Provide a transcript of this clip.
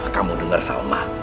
kamu denger salma